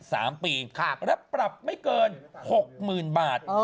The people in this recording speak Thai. และปรับไม่เกิน๖๐๐๐๐บาท